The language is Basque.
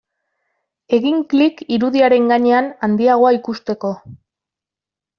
Egin klik irudiaren gainean handiagoa ikusteko.